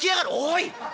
「おい！